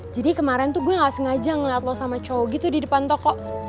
jadi kemarin tuh gue nggak sengaja ngeliat lo sama cowo gitu di depan toko